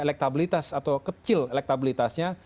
elektabilitas atau kecil elektabilitasnya